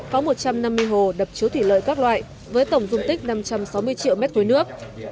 có một trăm năm mươi hồ đập chứa thủy lợi các loại với tổng dung tích năm trăm sáu mươi triệu mét khối nước